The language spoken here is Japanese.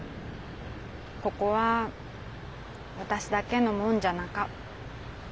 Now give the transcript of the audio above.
ここはわたしだけのもんじゃなか。